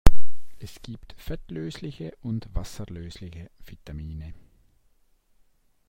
Es gibt fettlösliche und wasserlösliche Vitamine.